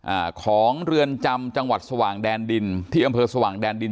อ่าของเรือนจำจังหวัดสว่างแดนดินที่อำเภอสว่างแดนดิน